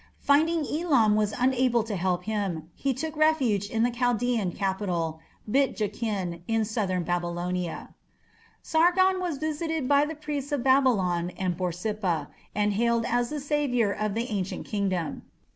Finding Elam was unable to help him, he took refuge in the Chaldaean capital, Bit Jakin, in southern Babylonia. Sargon was visited by the priests of Babylon and Borsippa, and hailed as the saviour of the ancient kingdom.